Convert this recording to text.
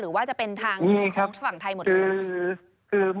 หรือว่าจะเป็นทางของฝั่งไทยหมดเลย